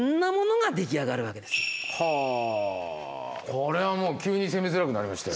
これはもう急に攻めづらくなりましたよ。